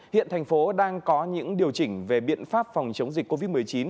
hiện thành phố đang có những điều chỉnh về biện pháp phòng chống dịch covid một mươi chín